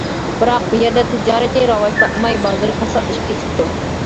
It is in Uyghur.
بىراق، بۇ يەردە تىجارىتى راۋاج تاپماي، بازىرى كاساتلىشىپ كېتىپتۇ.